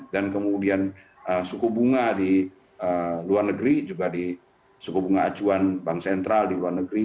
dan kemudian suku bunga di luar negeri juga di suku bunga acuan bank sentral di luar negeri